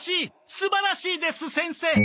素晴らしいです先生！